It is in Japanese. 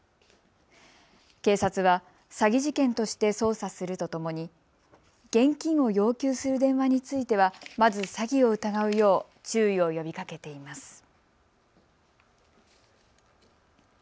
警察は詐欺事件として捜査するとともに現金を要求する電話についてはまず詐欺を疑うよう注意を呼びかけています。